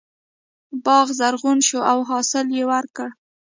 باغ زرغون شو او حاصل یې ورکړ.